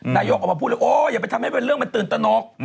นายกออกมาพูดเลยโอ้อย่าไปทำให้เป็นเรื่องมันตื่นตนก